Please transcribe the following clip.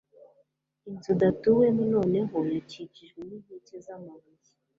inzudatuwemo noneho yakikijwe n'inkike z'amabuye